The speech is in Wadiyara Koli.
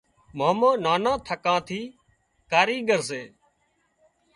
مامو نانان ٿڪان ٿي ڪاريڳر سي